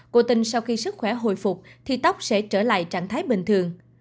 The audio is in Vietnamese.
cô tình sau khi sức khỏe hồi phục thì tóc sẽ trở lại trạng thái bình thường